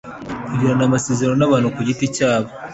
kugirana amasezerano n abantu ku giti cyabo